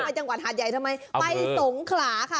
จังหวัดหาดใหญ่ทำไมไปสงขลาค่ะ